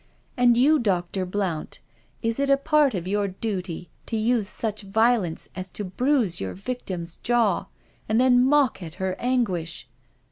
And you. Dr. Blount, is it a part of your duty to use such violence as to bruise your victim's jaw, and then mock at her anguish?